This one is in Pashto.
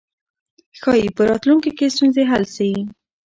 ښايي په راتلونکي کې ستونزې حل شي.